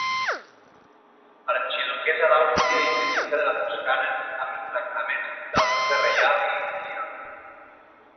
Arxiduquessa d'Àustria i princesa de la Toscana amb els tractaments d'altesa reial i imperial.